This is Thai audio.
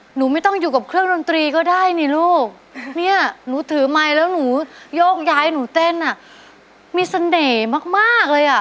หนูไม่ต้องอยู่กับเครื่องดนตรีก็ได้นี่ลูกเนี่ยหนูถือไมค์แล้วหนูโยกย้ายหนูเต้นอ่ะมีเสน่ห์มากมากเลยอ่ะ